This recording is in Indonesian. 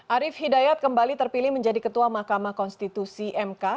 arif hidayat kembali terpilih menjadi ketua makamah konstitusi mk